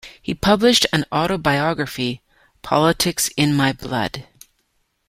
He published an autobiography, "Politics in my Blood".